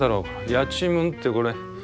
「やちむん」ってこれ。